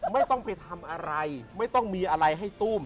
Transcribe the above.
ไม่ต้องไปทำอะไรไม่ต้องมีอะไรให้ตุ้ม